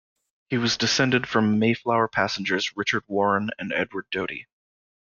He was descended from Mayflower passengers Richard Warren and Edward Doty.